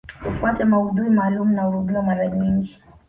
Hufuata maudhui maalumu na hurudiwa mara nyingi